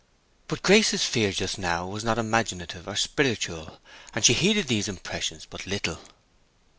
But Grace's fear just now was not imaginative or spiritual, and she heeded these impressions but little.